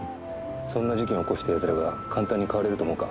そんな事件起こしたやつらが簡単に変われると思うか？